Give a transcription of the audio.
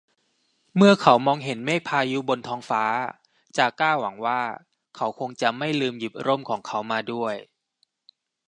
เมื่อเขามองเห็นเมฆพายุบนท้องฟ้า จาก้าหวังว่า เขาคงจะไม่ลืมหยิบร่มของเขามาด้วย